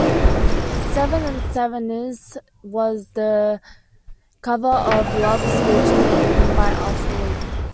"Seven and Seven Is" was a cover of Love's original, written by Arthur Lee.